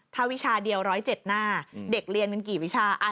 ถ้าวิชาเดียว๑๐๗หน้าเด็กเรียนกันกี่วิชา